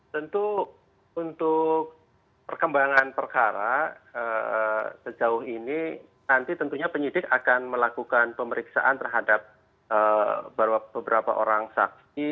tentu untuk perkembangan perkara sejauh ini nanti tentunya penyidik akan melakukan pemeriksaan terhadap beberapa orang saksi